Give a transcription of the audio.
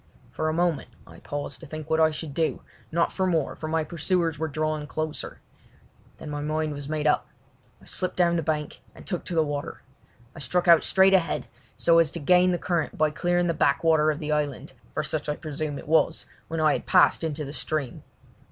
For a moment I paused to think what I should do, not for more, for my pursuers were drawing closer. Then my mind was made up. I slipped down the bank and took to the water. I struck out straight ahead so as to gain the current by clearing the backwater of the island, for such I presume it was, when I had passed into the stream.